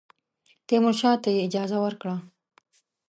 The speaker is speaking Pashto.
تیمورشاه ته یې اجازه ورکړه.